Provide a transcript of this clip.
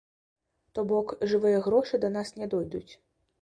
То бок, жывыя грошы да нас не дойдуць.